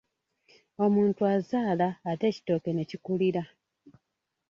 Omuntu azaala ate ekitooke ne kikulira.